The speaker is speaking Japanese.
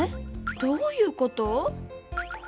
どういうこと？